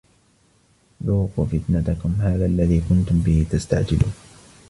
ذوقوا فتنتكم هذا الذي كنتم به تستعجلون